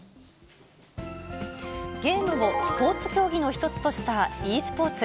ゲームをスポーツ競技の一つとしたｅスポーツ。